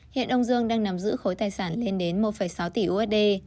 hiện ông dương đang nắm giữ khối tài sản lên đến một sáu tỷ usd